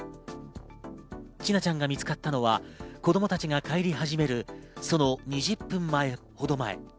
千奈ちゃんが見つかったのは子供たちが帰り始めるその２０分ほど前。